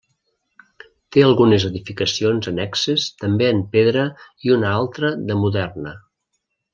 Té algunes edificacions annexes també en pedra i una altra de moderna.